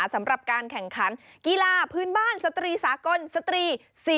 สำหรับการแข่งขันกีฬาพื้นบ้านสตรีสากลสตรี๔